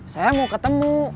saya mau ketemu